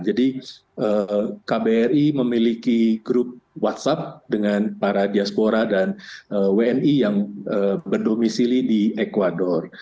jadi kbri memiliki grup whatsapp dengan para diaspora dan wni yang berdomisili di ecuador